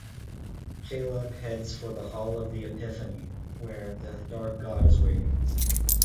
Caleb heads for the "Hall of the Epiphany" where the dark god is waiting.